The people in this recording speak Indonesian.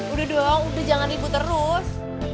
udah dong udah jangan ribut terus